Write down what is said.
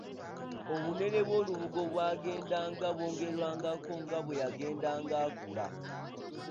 Obunene bw’olubugo bwagendanga bwongerwako nga bwe yagendanga akula.